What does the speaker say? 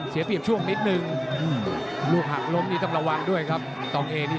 อเจมส์วงไหนเป็นอย่างไร